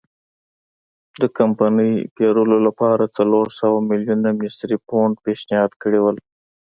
د کمپنۍ پېرلو لپاره څلور سوه میلیونه مصري پونډ پېشنهاد کړي وو.